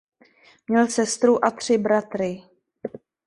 Měl sestru a tři bratry.